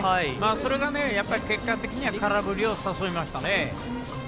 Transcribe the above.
それが結果的には空振りを誘いましたね。